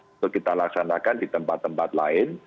untuk kita laksanakan di tempat tempat lain